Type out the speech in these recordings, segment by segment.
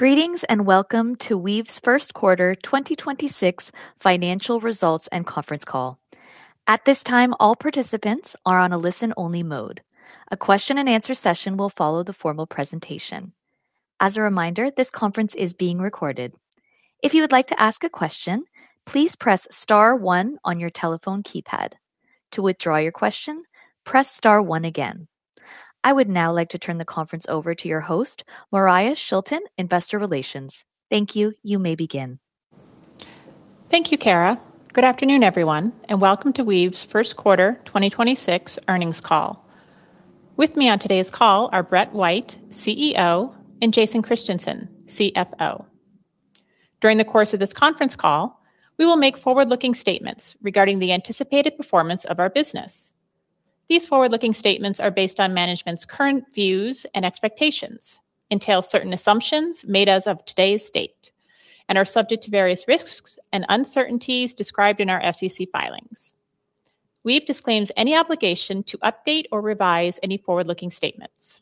Greetings and welcome to Weave's first quarter 2026 financial results and conference call. At this time, all participants are on a listen-only mode. A question and answer session will follow the formal presentation. As a reminder, this conference is being recorded. If you would like to ask a question, please press star one on your telephone keypad. To withdraw your question, press star one again. I would now like to turn the conference over to your host, Moriah Shilton, Investor Relations. Thank you. You may begin. Thank you, Kara. Good afternoon, everyone, and welcome to Weave's first quarter 2026 earnings call. With me on today's call are Brett White, CEO, and Jason Christiansen, CFO. During the course of this conference call, we will make forward-looking statements regarding the anticipated performance of our business. These forward-looking statements are based on management's current views and expectations, entail certain assumptions made as of today's date, and are subject to various risks and uncertainties described in our SEC filings. Weave disclaims any obligation to update or revise any forward-looking statements.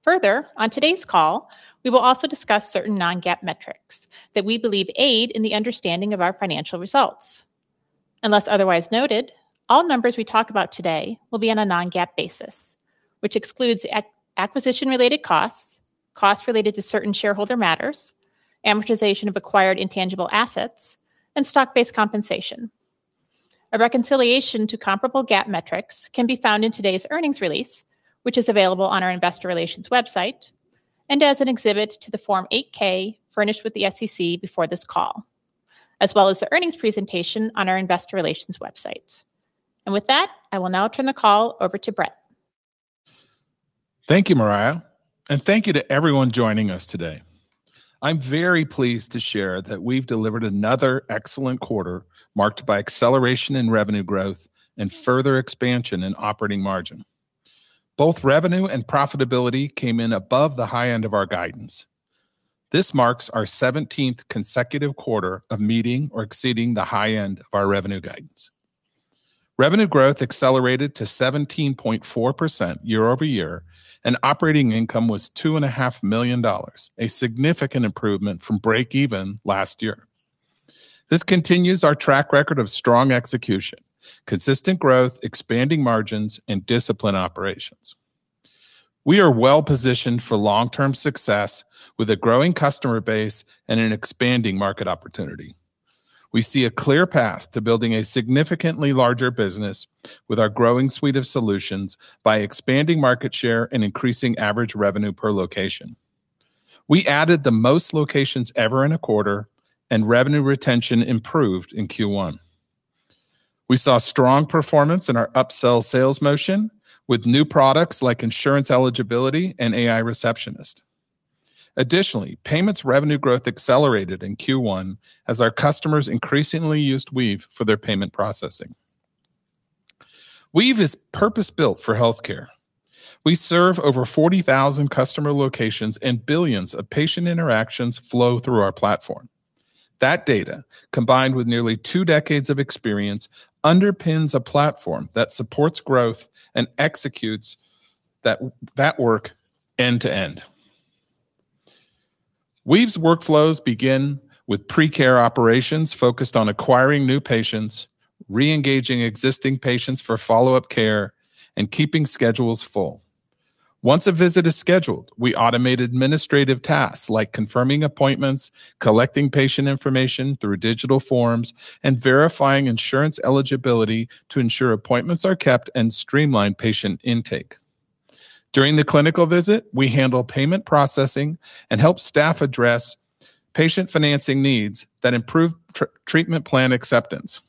Further, on today's call, we will also discuss certain non-GAAP metrics that we believe aid in the understanding of our financial results. Unless otherwise noted, all numbers we talk about today will be on a non-GAAP basis, which excludes acquisition-related costs related to certain shareholder matters, amortization of acquired intangible assets, and stock-based compensation. A reconciliation to comparable GAAP metrics can be found in today's earnings release, which is available on our investor relations website and as an exhibit to the Form 8-K furnished with the SEC before this call, as well as the earnings presentation on our investor relations website. With that, I will now turn the call over to Brett. Thank you, Moriah, and thank you to everyone joining us today. I'm very pleased to share that Weave delivered another excellent quarter marked by acceleration in revenue growth and further expansion in operating margin. Both revenue and profitability came in above the high end of our guidance. This marks our 17th consecutive quarter of meeting or exceeding the high end of our revenue guidance. Revenue growth accelerated to 17.4% year-over-year, and operating income was $2.5 million, a significant improvement from break even last year. This continues our track record of strong execution, consistent growth, expanding margins, and disciplined operations. We are well-positioned for long-term success with a growing customer base and an expanding market opportunity. We see a clear path to building a significantly larger business with our growing suite of solutions by expanding market share and increasing average revenue per location. We added the most locations ever in a quarter. Revenue retention improved in Q1. We saw strong performance in our upsell sales motion with new products like Insurance Eligibility and AI Receptionist. Additionally, payments revenue growth accelerated in Q1 as our customers increasingly used Weave for their payment processing. Weave is purpose-built for healthcare. We serve over 40,000 customer locations and billions of patient interactions flow through our platform. That data, combined with nearly two decades of experience, underpins a platform that supports growth and executes that work end to end. Weave's workflows begin with pre-care operations focused on acquiring new patients, re-engaging existing patients for follow-up care, and keeping schedules full. Once a visit is scheduled, we automate administrative tasks like confirming appointments, collecting patient information through digital forms, and verifying Insurance Eligibility to ensure appointments are kept and streamline patient intake. During the clinical visit, we handle payment processing and help staff address patient financing needs that improve treatment plan acceptance.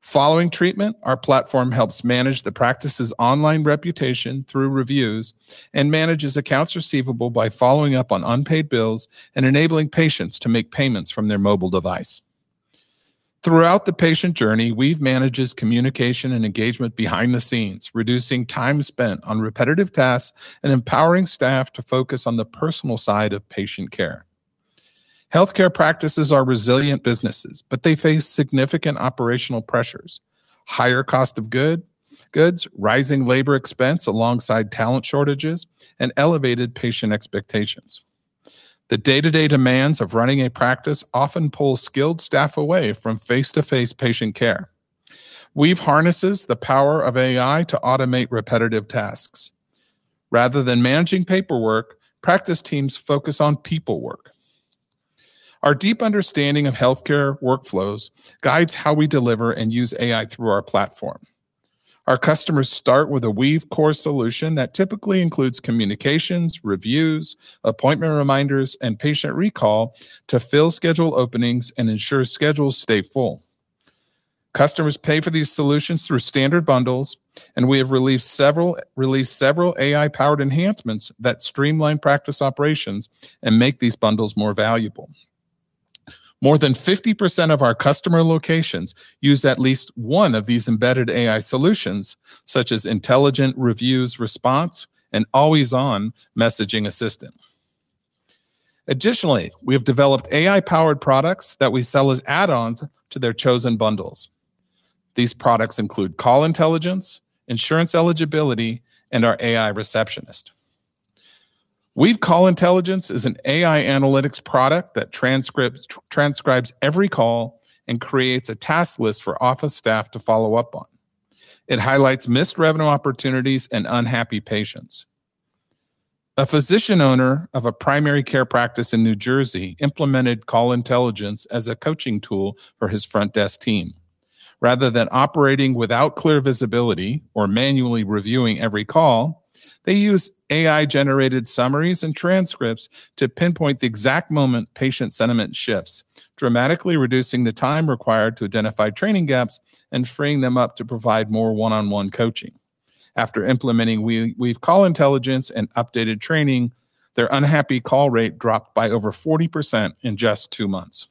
Following treatment, our platform helps manage the practice's online reputation through reviews and manages accounts receivable by following up on unpaid bills and enabling patients to make payments from their mobile device. Throughout the patient journey, Weave manages communication and engagement behind the scenes, reducing time spent on repetitive tasks and empowering staff to focus on the personal side of patient care. Healthcare practices are resilient businesses, they face significant operational pressures, higher cost of goods, rising labor expense alongside talent shortages, and elevated patient expectations. The day-to-day demands of running a practice often pull skilled staff away from face-to-face patient care. Weave harnesses the power of AI to automate repetitive tasks. Rather than managing paperwork, practice teams focus on people work. Our deep understanding of healthcare workflows guides how we deliver and use AI through our platform. Our customers start with a Weave core solution that typically includes communications, reviews, appointment reminders, and patient recall to fill schedule openings and ensure schedules stay full. Customers pay for these solutions through standard bundles, and we have released several AI-powered enhancements that streamline practice operations and make these bundles more valuable. More than 50% of our customer locations use at least one of these embedded AI solutions, such as intelligent reviews response and always-on messaging assistant. Additionally, we have developed AI-powered products that we sell as add-ons to their chosen bundles. These products include Call Intelligence, Insurance Eligibility, and our AI Receptionist. Weave Call Intelligence is an AI analytics product that transcribes every call and creates a task list for office staff to follow up on. It highlights missed revenue opportunities and unhappy patients. A physician owner of a primary care practice in New Jersey implemented Call Intelligence as a coaching tool for his front desk team. Rather than operating without clear visibility or manually reviewing every call, they used AI-generated summaries and transcripts to pinpoint the exact moment patient sentiment shifts, dramatically reducing the time required to identify training gaps, and freeing them up to provide more one-on-one coaching. After implementing Weave Call Intelligence and updated training, their unhappy call rate dropped by over 40% in just two months.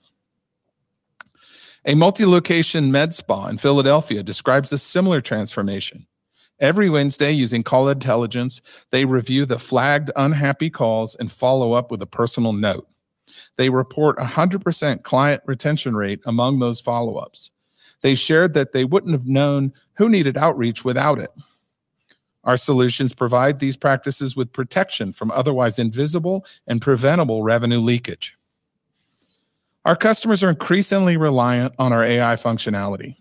A multi-location med spa in Philadelphia describes a similar transformation. Every Wednesday, using Call Intelligence, they review the flagged unhappy calls and follow up with a personal note. They report a 100% client retention rate among those follow-ups. They shared that they wouldn't have known who needed outreach without it. Our solutions provide these practices with protection from otherwise invisible and preventable revenue leakage. Our customers are increasingly reliant on our AI functionality.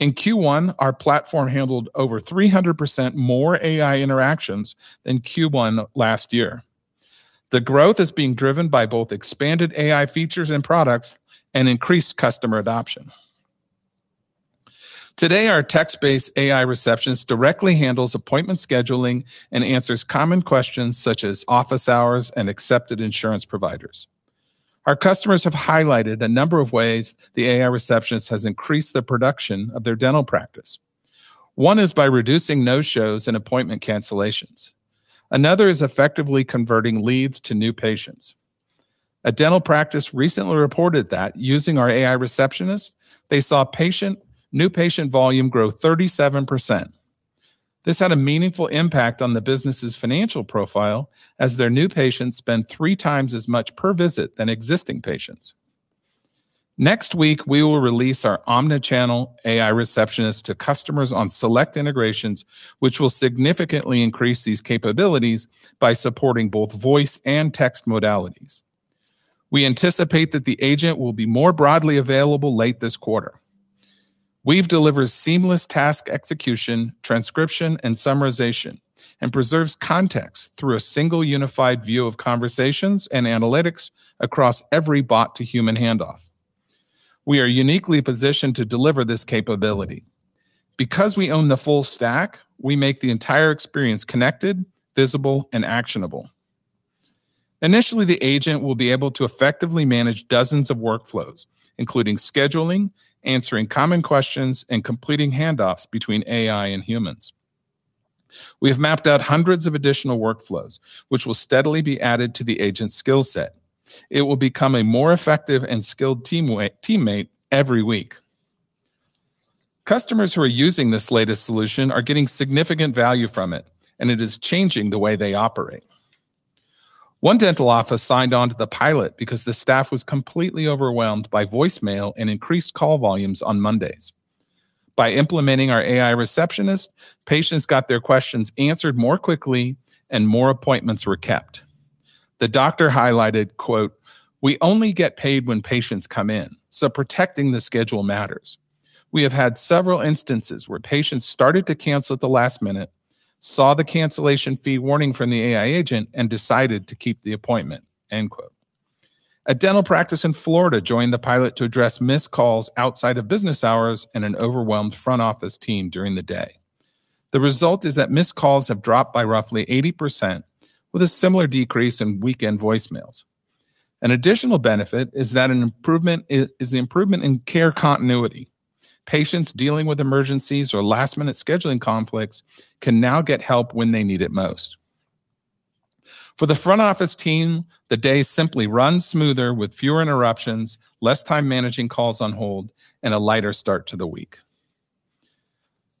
In Q1, our platform handled over 300% more AI interactions than Q1 last year. The growth is being driven by both expanded AI features and products and increased customer adoption. Today, our text-based AI Receptionist directly handles appointment scheduling and answers common questions such as office hours and accepted insurance providers. Our customers have highlighted a number of ways the AI Receptionist has increased the production of their dental practice. One is by reducing no-shows and appointment cancellations. Another is effectively converting leads to new patients. A dental practice recently reported that using our AI Receptionist, they saw new patient volume grow 37%. This had a meaningful impact on the business's financial profile as their new patients spend three times as much per visit than existing patients. Next week, we will release our Omnichannel AI Receptionist to customers on select integrations, which will significantly increase these capabilities by supporting both voice and text modalities. We anticipate that the agent will be more broadly available late this quarter. Weave delivers seamless task execution, transcription, and summarization, preserves context through a single unified view of conversations and analytics across every bot-to-human handoff. We are uniquely positioned to deliver this capability. Because we own the full stack, we make the entire experience connected, visible, and actionable. Initially, the agent will be able to effectively manage dozens of workflows, including scheduling, answering common questions, and completing handoffs between AI and humans. We have mapped out hundreds of additional workflows, which will steadily be added to the agent's skill set. It will become a more effective and skilled teammate every week. Customers who are using this latest solution are getting significant value from it, and it is changing the way they operate. One dental office signed on to the pilot because the staff was completely overwhelmed by voicemail and increased call volumes on Mondays. By implementing our AI Receptionist, patients got their questions answered more quickly and more appointments were kept. The doctor highlighted, quote, "We only get paid when patients come in, so protecting the schedule matters. We have had several instances where patients started to cancel at the last minute, saw the cancellation fee warning from the AI agent, and decided to keep the appointment." End quote. A dental practice in Florida joined the pilot to address missed calls outside of business hours and an overwhelmed front office team during the day. The result is that missed calls have dropped by roughly 80%, with a similar decrease in weekend voicemails. An additional benefit is that an improvement is the improvement in care continuity. Patients dealing with emergencies or last-minute scheduling conflicts can now get help when they need it most. For the front office team, the day simply runs smoother with fewer interruptions, less time managing calls on hold, and a lighter start to the week.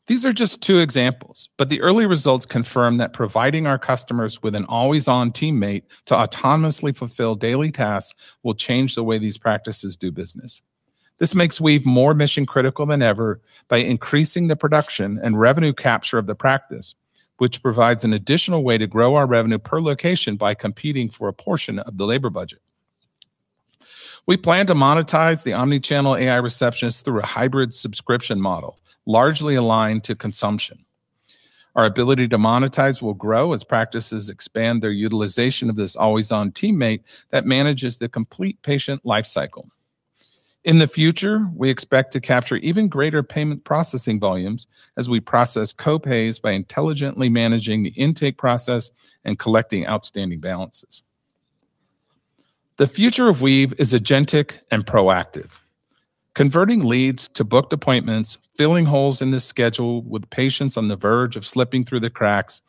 These are just two examples, but the early results confirm that providing our customers with an always-on teammate to autonomously fulfill daily tasks will change the way these practices do business. This makes Weave more mission-critical than ever by increasing the production and revenue capture of the practice, which provides an additional way to grow our revenue per location by competing for a portion of the labor budget. We plan to monetize the omni-channel AI Receptionist through a hybrid subscription model, largely aligned to consumption. Our ability to monetize will grow as practices expand their utilization of this always-on teammate that manages the complete patient life cycle. In the future, we expect to capture even greater payment processing volumes as we process co-pays by intelligently managing the intake process and collecting outstanding balances. The future of Weave is agentic and proactive. Converting leads to booked appointments, filling holes in the schedule with patients on the verge of slipping through the cracks,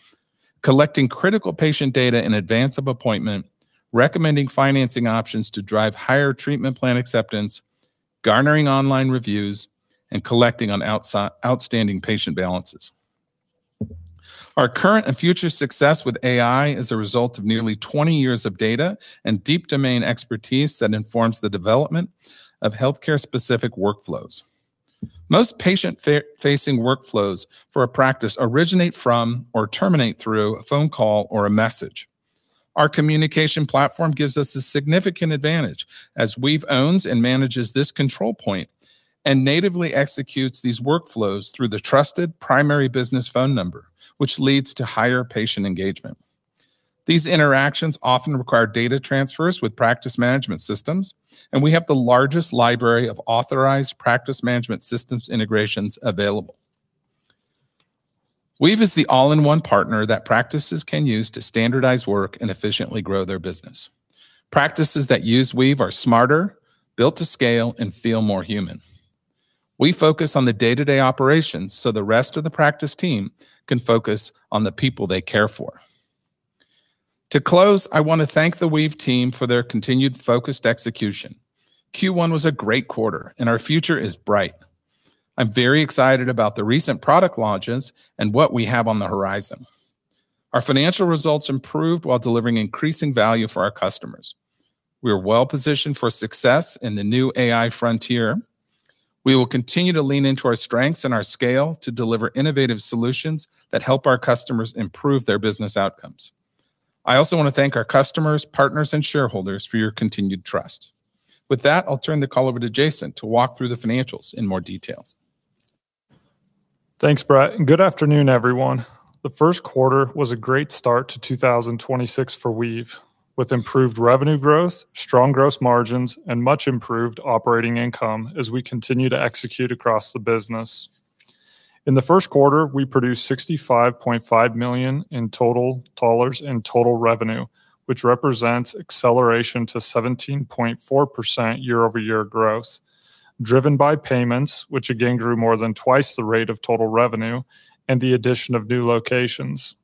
collecting critical patient data in advance of appointment, recommending financing options to drive higher treatment plan acceptance, garnering online reviews, and collecting on outstanding patient balances. Our current and future success with AI is a result of nearly 20 years of data and deep domain expertise that informs the development of healthcare-specific workflows. Most patient-facing workflows for a practice originate from or terminate through a phone call or a message. Our communication platform gives us a significant advantage as Weave owns and manages this control point and natively executes these workflows through the trusted primary business phone number, which leads to higher patient engagement. These interactions often require data transfers with practice management systems, and we have the largest library of authorized practice management systems integrations available. Weave is the all-in-one partner that practices can use to standardize work and efficiently grow their business. Practices that use Weave are smarter, built to scale, and feel more human. We focus on the day-to-day operations, so the rest of the practice team can focus on the people they care for. To close, I want to thank the Weave team for their continued focused execution. Q1 was a great quarter, and our future is bright. I'm very excited about the recent product launches and what we have on the horizon. Our financial results improved while delivering increasing value for our customers. We are well-positioned for success in the new AI frontier. We will continue to lean into our strengths and our scale to deliver innovative solutions that help our customers improve their business outcomes. I also want to thank our customers, partners, and shareholders for your continued trust. With that, I'll turn the call over to Jason to walk through the financials in more details. Thanks, Brett, and good afternoon, everyone. The first quarter was a great start to 2026 for Weave, with improved revenue growth, strong gross margins, and much improved operating income as we continue to execute across the business. In the first quarter, we produced $65.5 million in total revenue, which represents acceleration to 17.4% year-over-year growth, driven by payments, which again grew more than twice the rate of total revenue and the addition of new locations.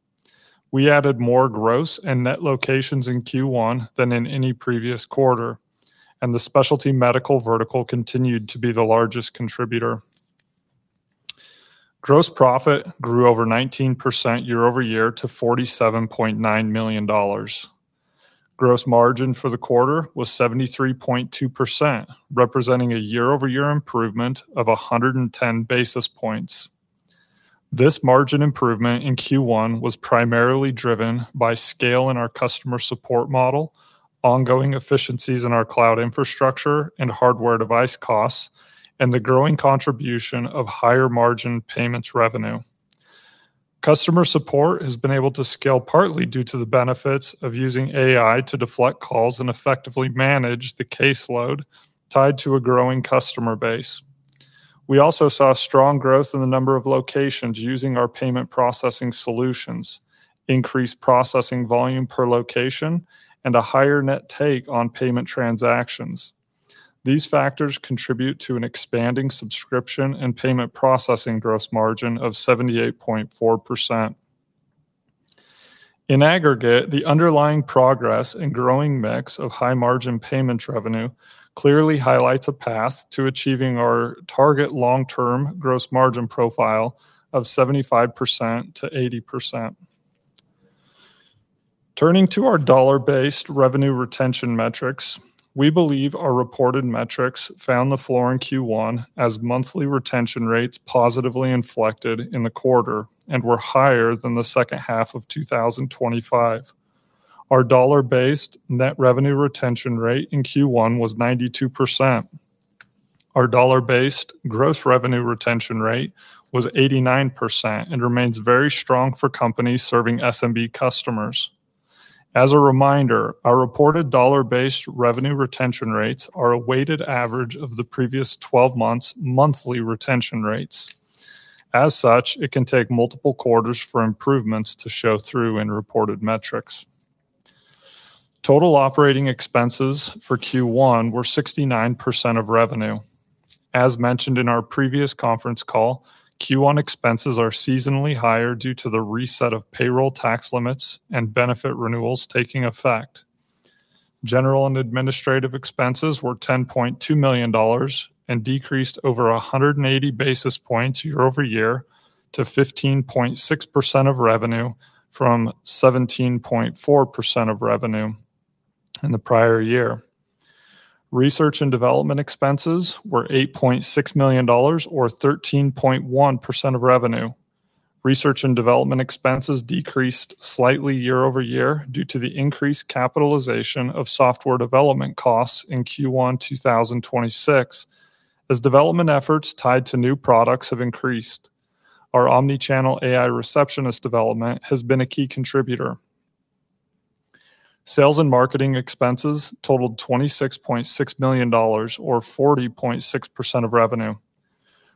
We added more gross and net locations in Q1 than in any previous quarter. The specialty medical vertical continued to be the largest contributor. Gross profit grew over 19% year-over-year to $47.9 million. Gross margin for the quarter was 73.2%, representing a year-over-year improvement of 110 basis points. This margin improvement in Q1 was primarily driven by scale in our customer support model, ongoing efficiencies in our cloud infrastructure and hardware device costs, and the growing contribution of higher-margin payments revenue. Customer support has been able to scale partly due to the benefits of using AI to deflect calls and effectively manage the caseload tied to a growing customer base. We also saw strong growth in the number of locations using our payment processing solutions, increased processing volume per location, and a higher net take on payment transactions. These factors contribute to an expanding subscription and payment processing gross margin of 78.4%. In aggregate, the underlying progress and growing mix of high-margin payments revenue clearly highlights a path to achieving our target long-term gross margin profile of 75%-80%. Turning to our dollar-based revenue retention metrics, we believe our reported metrics found the floor in Q1 as monthly retention rates positively inflected in the quarter and were higher than the second half of 2025. Our dollar-based net revenue retention rate in Q1 was 92%. Our dollar-based gross revenue retention rate, was 89% and remains very strong for companies serving SMB customers. As a reminder, our reported dollar-based revenue retention rates are a weighted average of the previous 12 months' monthly retention rates. As such, it can take multiple quarters for improvements to show through in reported metrics. Total operating expenses for Q1 were 69% of revenue. As mentioned in our previous conference call, Q1 expenses are seasonally higher due to the reset of payroll tax limits and benefit renewals taking effect. General and administrative expenses were $10.2 million and decreased over 180 basis points year-over-year to 15.6% of revenue from 17.4% of revenue in the prior year. Research and development expenses were $8.6 million or 13.1% of revenue. Research and development expenses decreased slightly year-over-year due to the increased capitalization of software development costs in Q1 2026 as development efforts tied to new products have increased. Our Omnichannel AI Receptionist development has been a key contributor. Sales and marketing expenses totaled $26.6 million or 40.6% of revenue.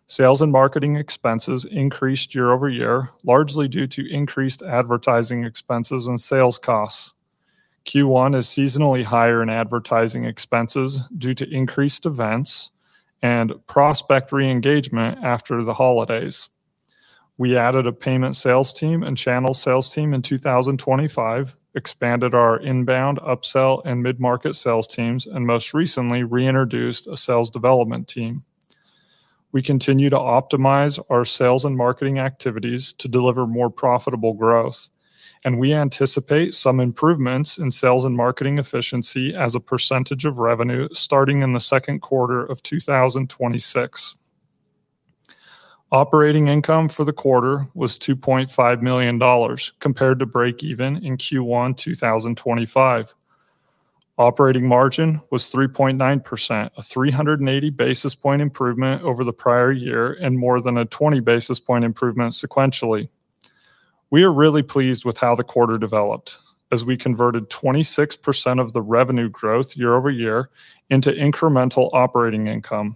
Sales and marketing expenses increased year-over-year, largely due to increased advertising expenses and sales costs. Q1 is seasonally higher in advertising expenses due to increased events and prospect re-engagement after the holidays. We added a payment sales team and channel sales team in 2025, expanded our inbound upsell and mid-market sales teams, and most recently reintroduced a sales development team. We continue to optimize our sales and marketing activities to deliver more profitable growth. We anticipate some improvements in sales and marketing efficiency as a percentage of revenue starting in the second quarter of 2026. Operating income for the quarter was $2.5 million compared to breakeven in Q1 2025. Operating margin was 3.9%, a 380 basis point improvement over the prior year and more than a 20 basis point improvement sequentially. We are really pleased with how the quarter developed as we converted 26% of the revenue growth year-over-year into incremental operating income.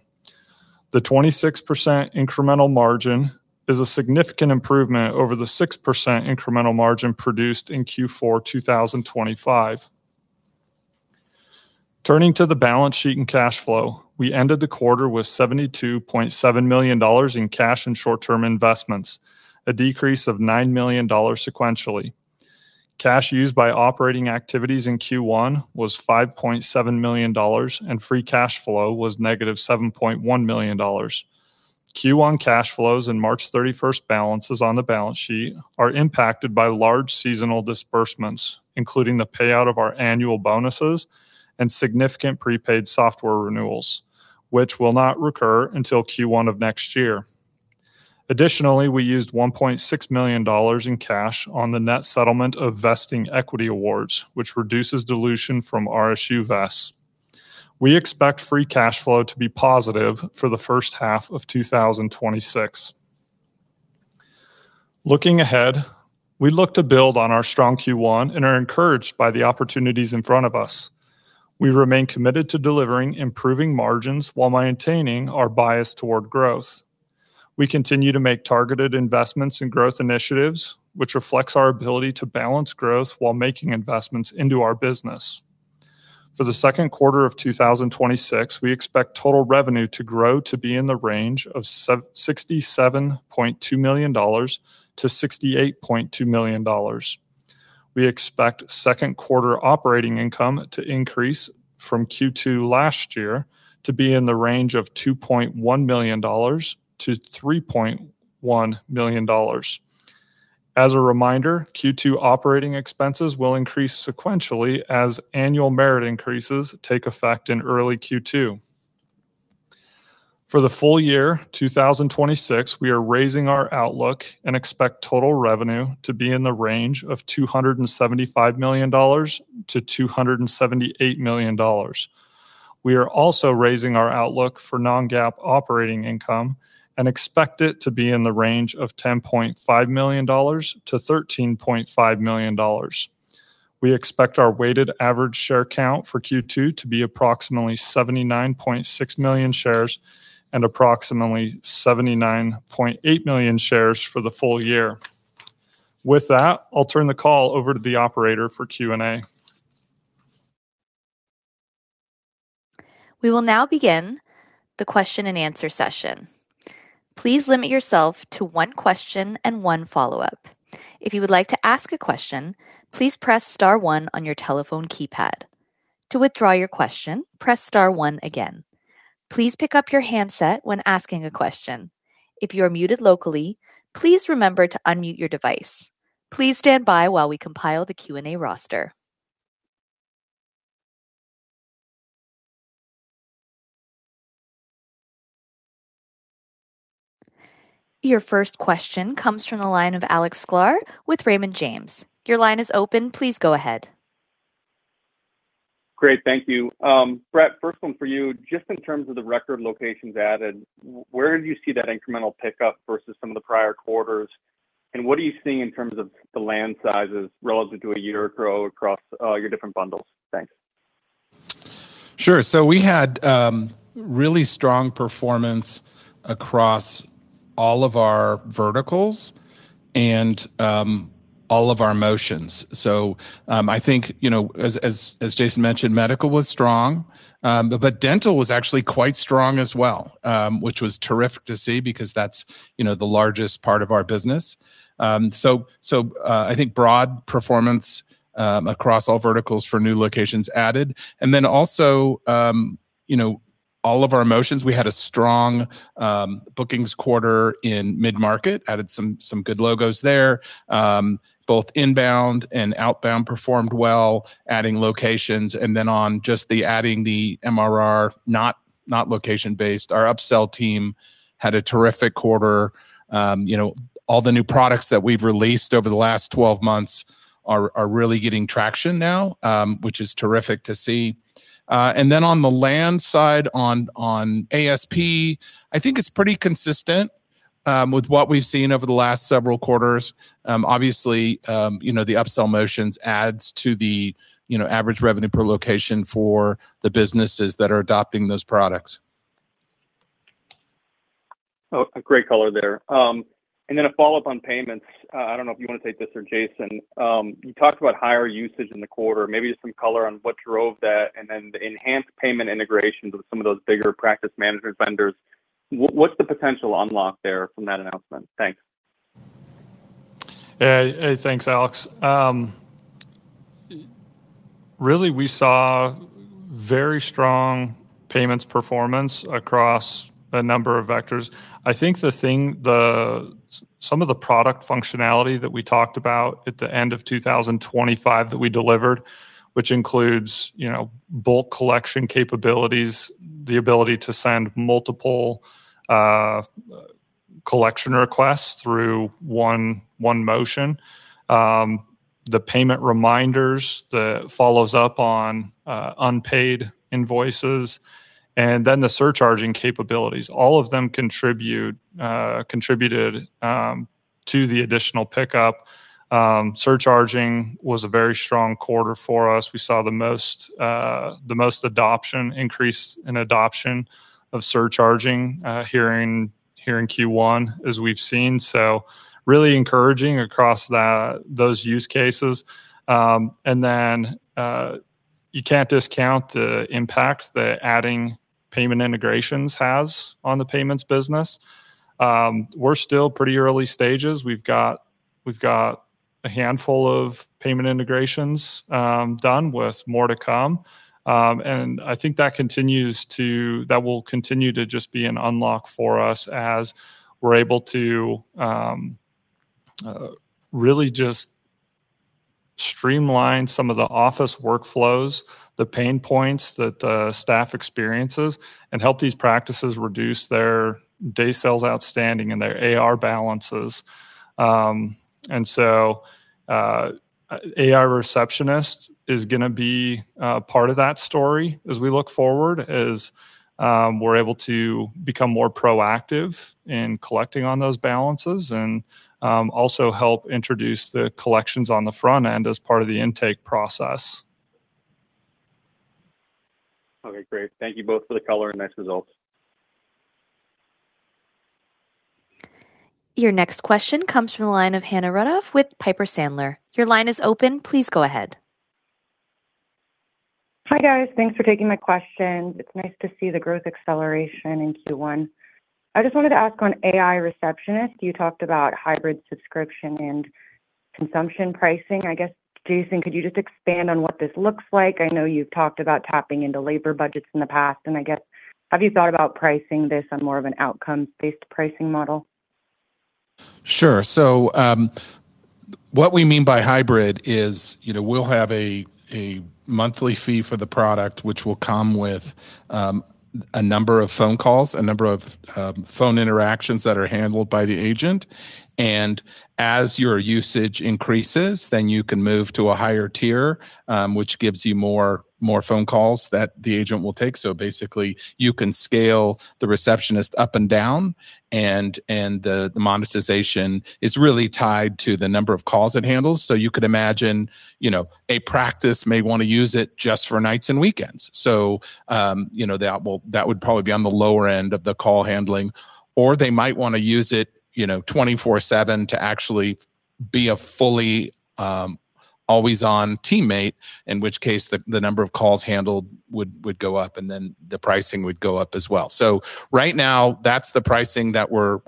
The 26% incremental margin is a significant improvement over the 6% incremental margin produced in Q4 2025. Turning to the balance sheet and cash flow, we ended the quarter with $72.7 million in cash and short-term investments, a decrease of $9 million sequentially. Cash used by operating activities in Q1 was $5.7 million, and free cash flow was negative $7.1 million. Q1 cash flows and March 31st balances on the balance sheet are impacted by large seasonal disbursements, including the payout of our annual bonuses and significant prepaid software renewals, which will not recur until Q1 of next year. Additionally, we used $1.6 million in cash on the net settlement of vesting equity awards, which reduces dilution from RSU vests. We expect free cash flow to be positive for the first half of 2026. Looking ahead, we look to build on our strong Q1 and are encouraged by the opportunities in front of us. We remain committed to delivering improving margins while maintaining our bias toward growth. We continue to make targeted investments in growth initiatives, which reflects our ability to balance growth while making investments into our business. For the second quarter of 2026, we expect total revenue to grow to be in the range of $67.2 million-$68.2 million. We expect second quarter operating income to increase from Q2 last year to be in the range of $2.1 million-$3.1 million. As a reminder, Q2 operating expenses will increase sequentially as annual merit increases take effect in early Q2. For the full year 2026, we are raising our outlook and expect total revenue to be in the range of $275 million-$278 million. We are also raising our outlook for non-GAAP operating income and expect it to be in the range of $10.5 million-$13.5 million. We expect our weighted average share count for Q2 to be approximately 79.6 million shares and approximately 79.8 million shares for the full year. With that, I'll turn the call over to the operator for Q&A. We will now begin the question-and-answer session. Please limit yourself to one question and one follow-up. If you would like to ask a question, please press star one on your telephone keypad. To withdraw your question, press star one again. Please pick up your handset when asking a question. If you are muted locally, please remember to unmute your device. Please stand by while we compile the Q&A roster. Your first question comes from the line of Alex Sklar with Raymond James. Your line is open. Please go ahead. Great. Thank you. Brett, first one for you. Just in terms of the record locations added, where do you see that incremental pickup versus some of the prior quarters? What are you seeing in terms of the land sizes relative to a year ago across your different bundles? Thanks. Sure. We had really strong performance across all of our verticals and all of our motions. I think, you know, as Jason mentioned, medical was strong. Dental was actually quite strong as well, which was terrific to see because that's, you know, the largest part of our business. So I think broad performance across all verticals for new locations added. Then also, you know, all of our motions, we had a strong bookings quarter in mid-market, added some good logos there. Both inbound and outbound performed well, adding locations. Then on just the adding the MRR, not location-based, our upsell team had a terrific quarter. You know, all the new products that we've released over the last 12 months are really getting traction now, which is terrific to see. Then on the land side on ASP, I think it's pretty consistent with what we've seen over the last several quarters. Obviously, you know, the upsell motions adds to the, you know, average revenue per location for the businesses that are adopting those products. Oh, a great color there. Then a follow-up on payments. I don't know if you wanna take this or Jason. You talked about higher usage in the quarter, maybe just some color on what drove that, then the enhanced payment integrations with some of those bigger practice management vendors. What's the potential unlock there from that announcement? Thanks. Thanks, Alex. Really, we saw very strong payments performance across a number of vectors. I think some of the product functionality that we talked about at the end of 2025 that we delivered, which includes, you know, bulk collection capabilities, the ability to send multiple collection requests through one motion, the payment reminders, the follows up on unpaid invoices, and then the surcharging capabilities, all of them contributed to the additional pickup. Surcharging was a very strong quarter for us. We saw the most adoption, increase in adoption of surcharging here in Q1 as we've seen. Really encouraging across that, those use cases. You can't discount the impact that adding payment integrations has on the payments business. We're still pretty early stages. We've got a handful of payment integrations, done with more to come. I think that continues to, that will continue to just be an unlock for us as we're able to really just streamline some of the office workflows, the pain points that the staff experiences, and help these practices reduce their day sales outstanding and their AR balances. AI Receptionist is gonna be a part of that story as we look forward, as we're able to become more proactive in collecting on those balances and also help introduce the collections on the front end as part of the intake process. Okay. Great. Thank you both for the color and nice results. Your next question comes from the line of Hannah Rudoff with Piper Sandler. Your line is open. Please go ahead. Hi, guys. Thanks for taking my question. It's nice to see the growth acceleration in Q1. I just wanted to ask on AI Receptionist, you talked about hybrid subscription and consumption pricing. I guess, Jason, could you just expand on what this looks like? I know you've talked about tapping into labor budgets in the past. I guess, have you thought about pricing this on more of an outcomes-based pricing model? Sure. What we mean by hybrid is, you know, we'll have a monthly fee for the product, which will come with a number of phone calls, a number of phone interactions that are handled by the agent. As your usage increases, then you can move to a higher tier, which gives you more phone calls that the agent will take. Basically, you can scale the receptionist up and down, and the monetization is really tied to the number of calls it handles. You could imagine, you know, a practice may wanna use it just for nights and weekends. You know, that will, that would probably be on the lower end of the call handling, or they might wanna use it, you know, 24/7 to actually be a fully always-on teammate, in which case the number of calls handled would go up, the pricing would go up as well. Right now, that's the pricing that we're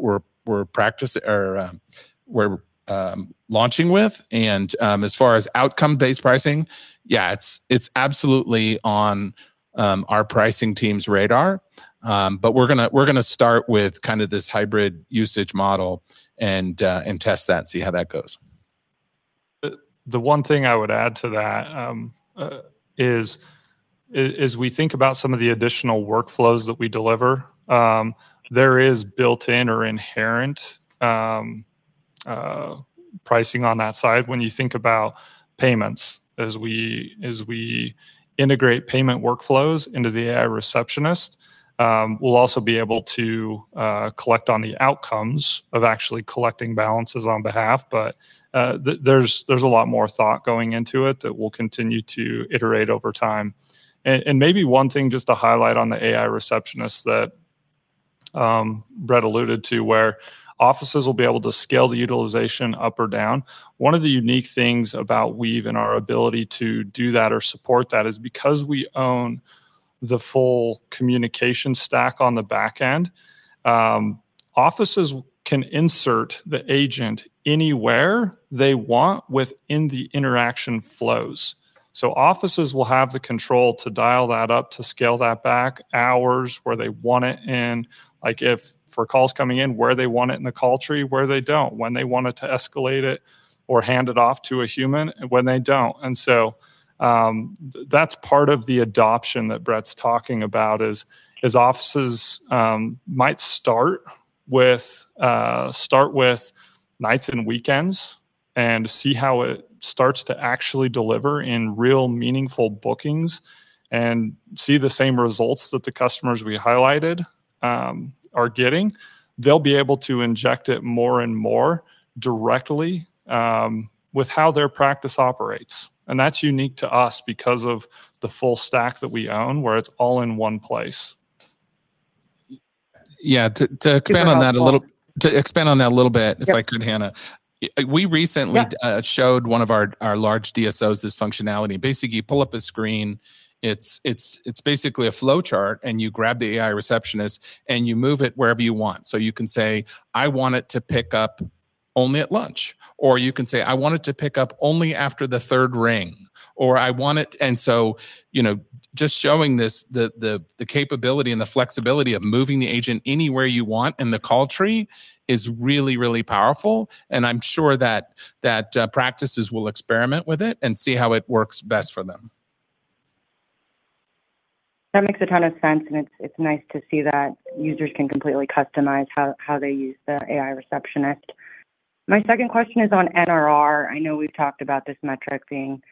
launching with. As far as outcome-based pricing, yeah, it's absolutely on our pricing team's radar. We're gonna start with kinda this hybrid usage model test that, see how that goes. The one thing I would add to that, as we think about some of the additional workflows that we deliver, there is built-in or inherent pricing on that side when you think about payments. As we integrate payment workflows into the AI Receptionist, we'll also be able to collect on the outcomes of actually collecting balances on behalf. There's a lot more thought going into it that we'll continue to iterate over time. Maybe one thing just to highlight on the AI Receptionist that Brett alluded to, where offices will be able to scale the utilization up or down. One of the unique things about Weave and our ability to do that or support that is because we own the full communication stack on the back end, offices can insert the agent anywhere they want within the interaction flows. Offices will have the control to dial that up, to scale that back, hours where they want it in. Like if for calls coming in, where they want it in the call tree, where they don't, when they want it to escalate it or hand it off to a human, and when they don't. That's part of the adoption that Brett's talking about, is offices might start with nights and weekends and see how it starts to actually deliver in real meaningful bookings and see the same results that the customers we highlighted are getting. They'll be able to inject it more and more directly, with how their practice operates, and that's unique to us because of the full stack that we own, where it's all in one place. Yeah. To expand on that a little. Give a helpful-. To expand on that a little bit. Yeah.... if I could, Hannah. We recently- Yeah.... showed one of our large DSOs this functionality. Basically, you pull up a screen. It's basically a flowchart, and you grab the AI Receptionist, and you move it wherever you want. You can say, "I want it to pick up only at lunch." You can say, "I want it to pick up only after the third ring," or, "I want it." You know, just showing this, the capability and the flexibility of moving the agent anywhere you want in the call tree is really, really powerful, and I'm sure that practices will experiment with it and see how it works best for them. That makes a ton of sense. It's nice to see that users can completely customize how they use the AI Receptionist. My second question is on NRR. I know we've talked about this metric being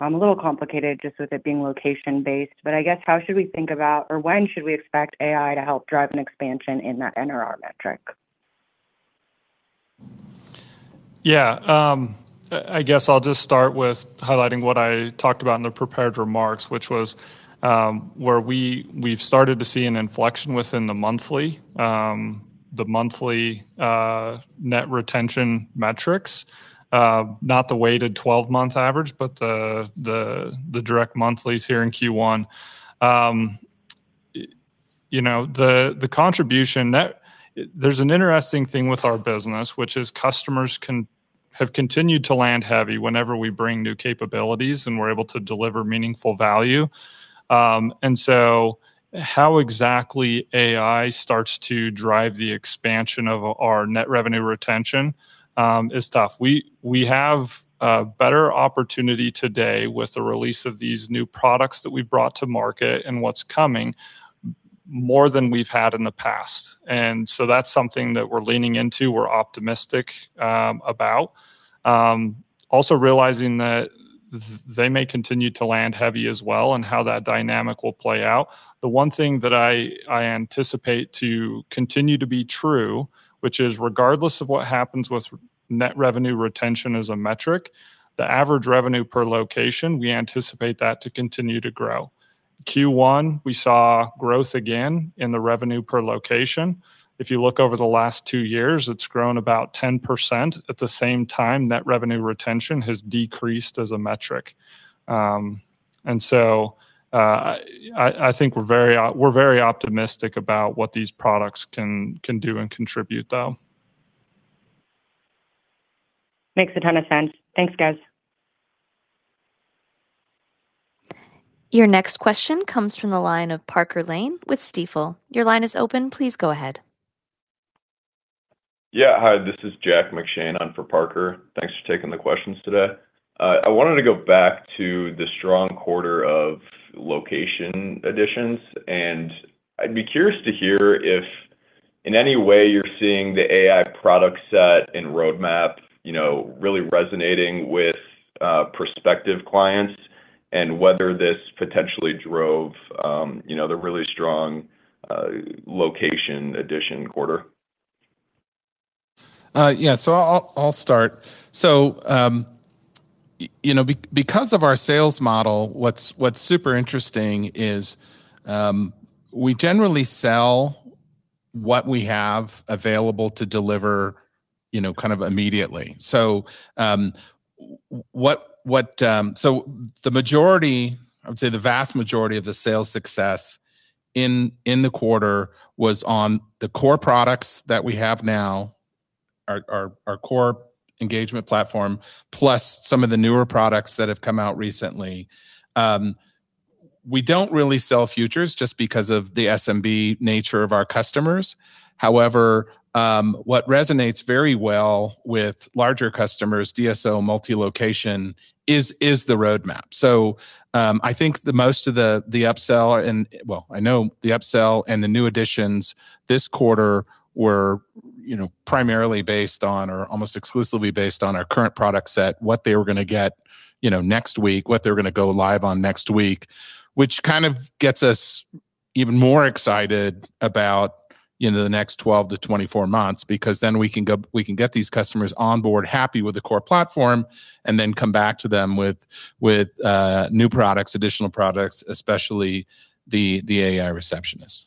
a little complicated just with it being location-based, but I guess how should we think about or when should we expect AI to help drive an expansion in that NRR metric? Yeah. I guess I'll just start with highlighting what I talked about in the prepared remarks, which was where we've started to see an inflection within the monthly, the monthly net retention metrics. Not the weighted 12-month average, but the direct monthlies here in Q1. You know, the contribution. There's an interesting thing with our business, which is customers have continued to land heavy whenever we bring new capabilities, and we're able to deliver meaningful value. How exactly AI starts to drive the expansion of our net revenue retention is tough. We have a better opportunity today with the release of these new products that we've brought to market and what's coming more than we've had in the past. That's something that we're leaning into, we're optimistic about. Also realizing that they may continue to land heavy as well, and how that dynamic will play out. The one thing that I anticipate to continue to be true, which is regardless of what happens with net revenue retention as a metric, the average revenue per location, we anticipate that to continue to grow. Q1, we saw growth again in the revenue per location. If you look over the last two years, it's grown about 10% at the same time net revenue retention has decreased as a metric. I think we're very optimistic about what these products can do and contribute, though. Makes a ton of sense. Thanks, guys. Your next question comes from the line of Parker Lane with Stifel. Your line is open. Please go ahead. Yeah. Hi, this is Jack McShane on for Parker. Thanks for taking the questions today. I wanted to go back to the strong quarter of location additions, and I'd be curious to hear if in any way you're seeing the AI product set and roadmap, you know, really resonating with prospective clients and whether this potentially drove, you know, the really strong location addition quarter. Yeah, I'll start. You know, because of our sales model, what's super interesting is, we generally sell what we have available to deliver, you know, kind of immediately. The majority, I would say the vast majority of the sales success in the quarter was on the core products that we have now, our core engagement platform, plus some of the newer products that have come out recently. We don't really sell futures just because of the SMB nature of our customers. However, what resonates very well with larger customers, DSO multi-location is the roadmap. I think the most of the upsell and, well, I know the upsell and the new additions this quarter were, you know, primarily based on or almost exclusively based on our current product set, what they were gonna get, you know, next week, what they're gonna go live on next week, which kind of gets us even more excited about, you know, the next 12 to 24 months, because then we can go, we can get these customers on board, happy with the core platform, and then come back to them with new products, additional products, especially the AI Receptionist.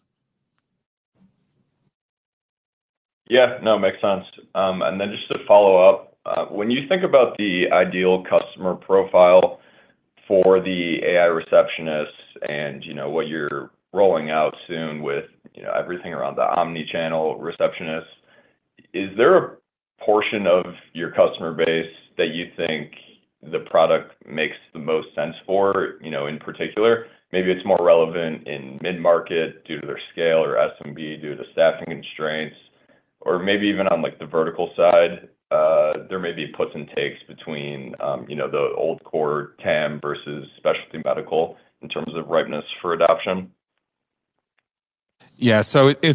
Yeah. No, makes sense. Just to follow up, when you think about the ideal customer profile for the AI Receptionist and, you know, what you're rolling out soon with, you know, everything around the omni-channel receptionist, is there a portion of your customer base that you think the product makes the most sense for, you know, in particular? Maybe it's more relevant in mid-market due to their scale or SMB due to staffing constraints, or maybe even on, like, the vertical side, there may be puts and takes between, you know, the old core TAM versus specialty medical in terms of ripeness for adoption. Yeah. It's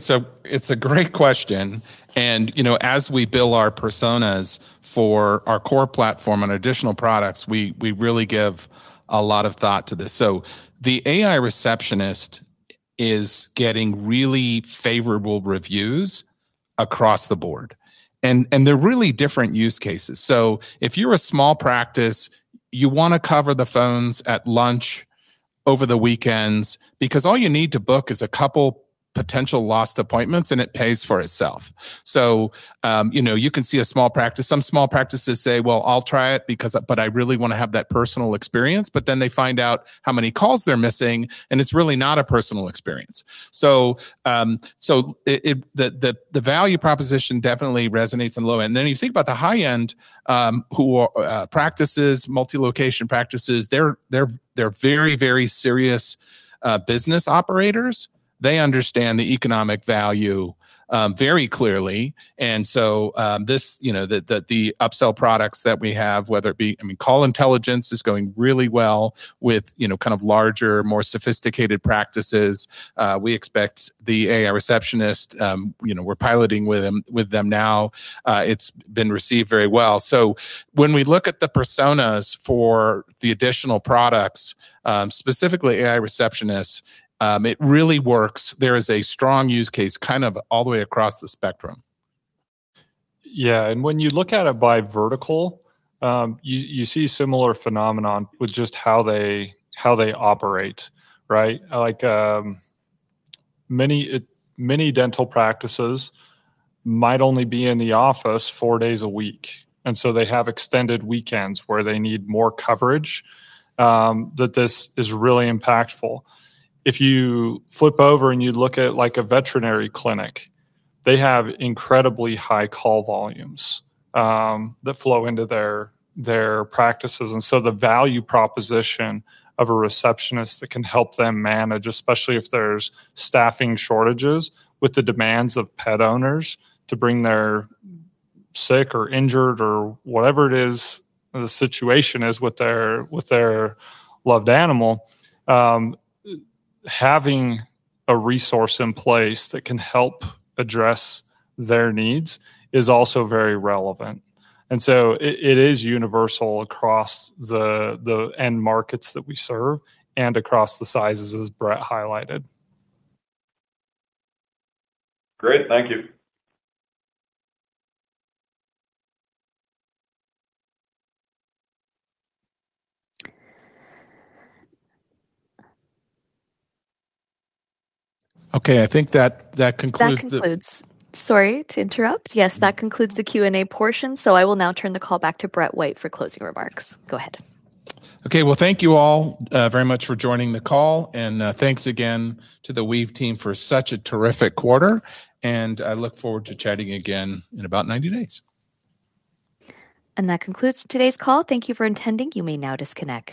a great question and, you know, as we build our personas for our core platform and additional products, we really give a lot of thought to this. The AI Receptionist is getting really favorable reviews across the board, and they're really different use cases. If you're a small practice, you wanna cover the phones at lunch over the weekends. Because all you need to book is a couple potential lost appointments, and it pays for itself. You know, you can see a small practice. Some small practices say, "Well, I'll try it because, but I really wanna have that personal experience," but then they find out how many calls they're missing, and it's really not a personal experience. The value proposition definitely resonates in low-end. You think about the high-end, who practices, multi-location practices, they're very, very serious business operators. They understand the economic value very clearly, you know, the upsell products that we have, whether it be. I mean, Call Intelligence is going really well with, you know, kind of larger, more sophisticated practices. We expect the AI Receptionist, you know, we're piloting with them now. It's been received very well. When we look at the personas for the additional products, specifically AI Receptionist, it really works. There is a strong use case kind of all the way across the spectrum. When you look at it by vertical, you see similar phenomenon with just how they operate, right? Like many dental practices might only be in the office four days a week, and so they have extended weekends where they need more coverage that this is really impactful. If you flip over and you look at, like, a veterinary clinic, they have incredibly high call volumes that flow into their practices. The value proposition of a receptionist that can help them manage, especially if there's staffing shortages with the demands of pet owners to bring their sick or injured or whatever it is the situation is with their loved animal, having a resource in place that can help address their needs is also very relevant. It is universal across the end markets that we serve and across the sizes, as Brett highlighted. Great. Thank you. Okay, I think that concludes. Sorry to interrupt. Yes, that concludes the Q&A portion, so I will now turn the call back to Brett White for closing remarks. Go ahead. Okay. Well, thank you all very much for joining the call, and thanks again to the Weave team for such a terrific quarter, and I look forward to chatting again in about 90 days. That concludes today's call. Thank you for attending. You may now disconnect.